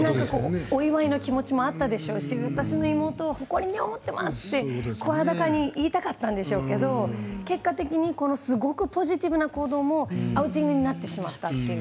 お祝いの気持ちもあったでしょうし私の妹を誇りに思っていますと声高に言いたかったんでしょうけど結果的にすごくポジティブな行動もアウティングになってしまったという。